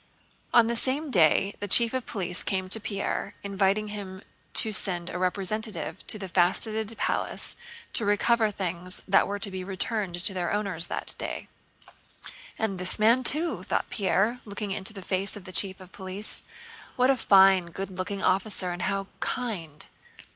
On the same day the Chief of Police came to Pierre, inviting him to send a representative to the Faceted Palace to recover things that were to be returned to their owners that day. "And this man too," thought Pierre, looking into the face of the Chief of Police. "What a fine, good looking officer and how kind.